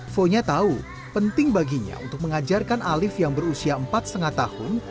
fonya tahu penting baginya untuk mengajarkan alif yang berusia empat lima tahun